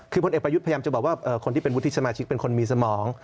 คือพลเอกประยุทธ์พยายามจะบอกว่าคนที่เป็นวุฒิสมาชิกเป็นคนมีสมอง